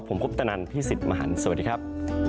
ผมคุปตนันพี่สิทธิ์มหันฯสวัสดีครับ